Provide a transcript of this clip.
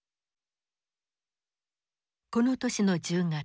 この年の１０月。